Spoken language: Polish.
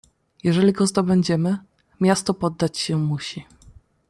"Jeżeli go zdobędziemy, miasto poddać się musi."